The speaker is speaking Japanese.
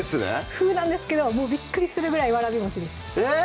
「風」なんですけどもうびっくりするぐらいわらびですえっ！